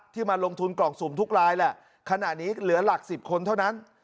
มาลงทุนกล่องสุ่มทุกลายแหละขณะนี้เหลือหลักสิบคนเท่านั้น